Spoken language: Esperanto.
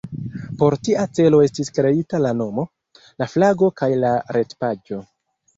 Por tia celo estis kreita la nomo, la flago kaj la retpaĝo.